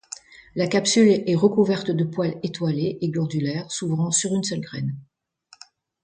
La capsule est recouverte de poils étoilés et glandulaires s'ouvrant sur une seule graine.